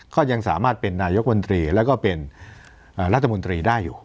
ก็ยังสามารถเป็นนายกมนตรีแล้วก็เป็นรัฐมนตรีได้อยู่